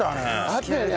あったよね。